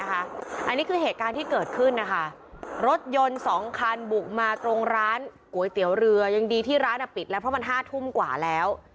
อันนี้คือเหตุการณ์ที่เกิดขึ้นนะคะรถยนต์๒คันบุกมาตรงร้านก๋วยเตี๋ยวเรือยังดีที่ร้านปิดแล้วเพราะมัน๕ทุ่มกว่าแล้ว